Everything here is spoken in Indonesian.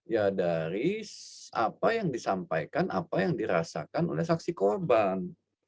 ya dari apa yang disampaikan apa yang dirasakan oleh saksi korban